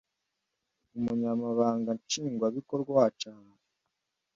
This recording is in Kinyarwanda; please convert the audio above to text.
Umunyamabanga Nshingwabikorwa wacu aha